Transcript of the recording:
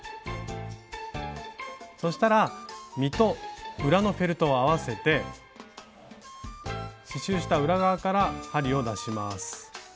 そしたら実と裏のフェルトを合わせて刺しゅうした裏側から針を出します。